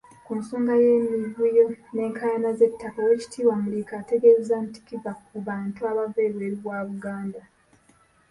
Ku nsonga y'emivuyo n'enkaayana z'ettaka, Oweekitiibwa Muliika ategeezezza nti kiva ku bantu abava ebweru wa Buganda.